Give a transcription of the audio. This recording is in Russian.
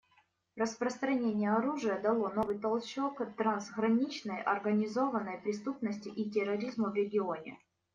Распространение оружия дало новый толчок трансграничной организованной преступности и терроризму в регионе.